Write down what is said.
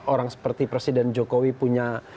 orang seperti presiden jokowi punya